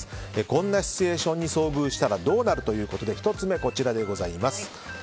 こんなシチュエーションに遭遇したらどうなるということで１つ目、こちらです。